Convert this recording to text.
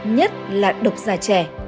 nhất là độc già trẻ